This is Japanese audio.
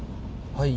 はい。